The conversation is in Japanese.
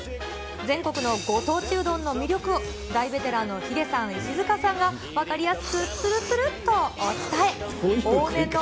全国のご当地うどんの魅力を、大ベテランのヒデさん、石塚さんが分かりやすくつるつるっとお伝え。